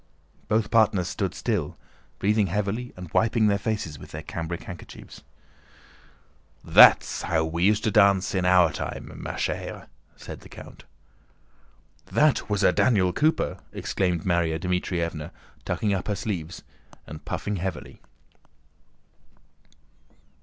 Both partners stood still, breathing heavily and wiping their faces with their cambric handkerchiefs. "That's how we used to dance in our time, ma chère," said the count. "That was a Daniel Cooper!" exclaimed Márya Dmítrievna, tucking up her sleeves and puffing heavily.